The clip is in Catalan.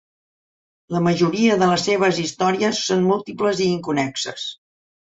La majoria de les seves històries són múltiples i inconnexes.